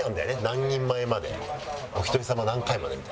何人前までお一人様何回までみたいな。